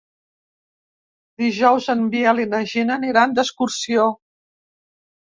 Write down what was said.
Dijous en Biel i na Gina aniran d'excursió.